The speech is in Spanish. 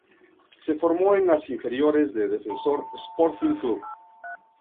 Se formó en las inferiores de Defensor Sporting Club.